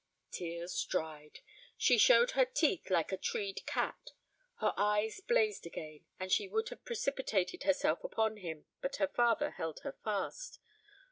Tears dried. She showed her teeth like a treed cat. Her eyes blazed again and she would have precipitated herself upon him, but her father held her fast.